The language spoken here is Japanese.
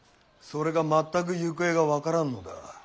それが全く行方が分からんのだ。